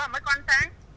mới có ánh sáng